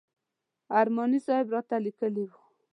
ارماني صاحب راته لیکلي و.